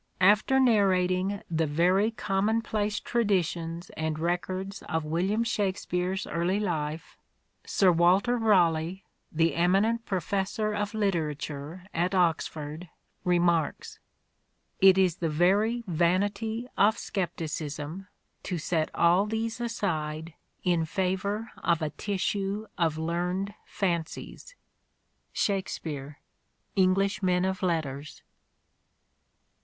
After narrating the very commonplace traditions and records of William Shakspere's early life, Sir Walter Raleigh, the eminent professor of literature at Oxford, THE STRATFORDIAN VIEW 35 remarks :" It is the very vanity of scepticism to set all these aside in favour of a tissue of learned fancies." (" Shakespeare " English Men of Letters.)